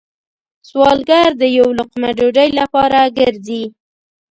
سوالګر د یو لقمه ډوډۍ لپاره گرځي